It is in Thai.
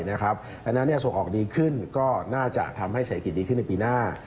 ดังนั้นส่งออกดีขึ้นก็น่าจะทำให้เศรษฐกิจดีขึ้นในปีหน้า